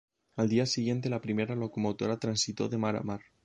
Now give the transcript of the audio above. Al día siguiente la primera locomotora transitó de mar a mar.